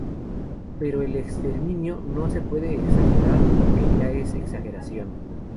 Pero el exterminio no se puede exagerar porque ya es una exageración".